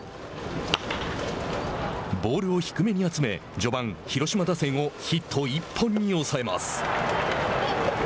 ボールを低めに集め序盤、広島打線をヒット１本に抑えます。